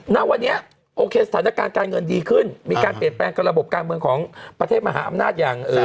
ณวันนี้โอเคสถานการณ์การเงินดีขึ้นมีการเปลี่ยนแปลงระบบการเมืองของประเทศมหาอำนาจอย่าง